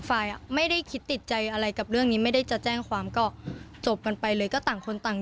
คุณแย่คือถ้าเรื่องมันจะไม่เกิดขึ้นถ้าเขาไม่เอารูปตรงนั้นมาโพสต์ลง